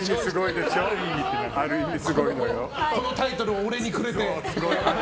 このタイトルを俺にくれて。